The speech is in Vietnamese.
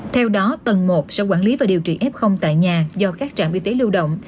theo đó tầng một sẽ quản lý và điều trị f tại nhà do các trạm y tế lưu động